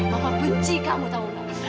mama benci kamu tahu ma